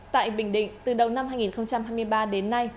tại bình định từ đầu năm hai nghìn hai mươi ba đến nay